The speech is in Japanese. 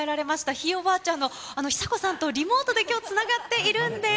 ひいおばあちゃんの久子さんとリモートできょう、つながっているんです。